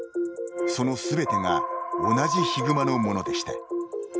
そのすべてが同じヒグマのものでした。